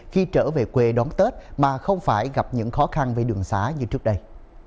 khi trở về quê đón tết mà không phải gặp những khó khăn về đường xá như trước đây